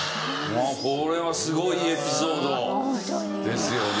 これはすごいエピソードですよね。